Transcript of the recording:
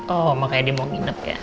oh makanya dia mau nginep ya